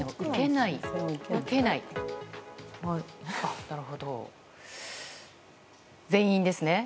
なるほど、全員ですね。